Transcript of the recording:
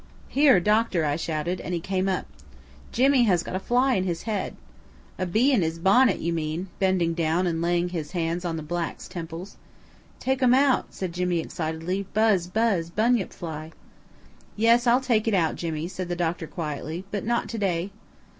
"Here, doctor," I shouted; and he came up. "Jimmy has got a fly in his head." "A bee in his bonnet, you mean," he said, bending down and laying his hand on the black's temples. "Take um out," said Jimmy excitedly. "Buzz buzz bunyip fly." "Yes, I'll take it out, Jimmy," said the doctor quietly; "but not to day."